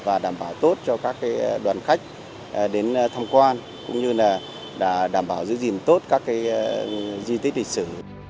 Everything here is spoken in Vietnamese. và đảm bảo tốt cho các đoàn khách đến tham quan cũng như là đảm bảo giữ gìn tốt các di tích lịch sử